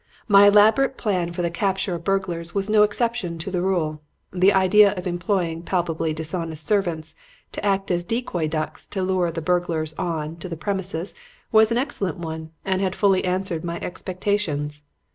My elaborate plan for the capture of burglars was no exception to the rule. The idea of employing palpably dishonest servants to act as decoy ducks to lure the burglars on to the premises was an excellent one and had fully answered my expectations.